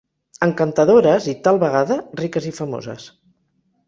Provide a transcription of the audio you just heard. Encantadores i, tal vegada, riques i famoses.